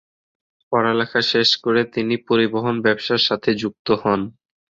পড়ালেখা শেষ করে তিনি পরিবহন ব্যবসার সাথে যুক্ত হন।